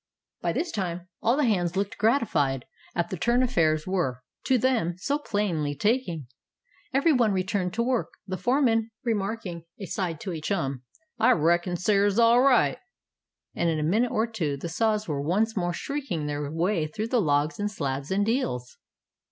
By this time all the hands looked gratified at the turn affairs were, to them, so plainly taking. Every one returned to work, the foreman remarking aside to a chum, "I reckon Sarah's all right." And in a minute or two the saws were once more shrieking their way through the logs and slabs and deals.